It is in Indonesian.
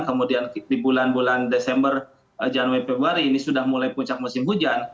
kemudian di bulan bulan desember januari februari ini sudah mulai puncak musim hujan